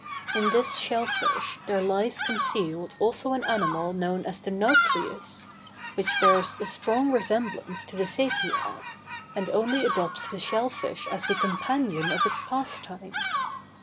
In this shell fish there lies concealed also an animal known as the nauplius, which bears a strong resemblance to the sæpia, and only adopts the shell fish as the companion of its pastimes.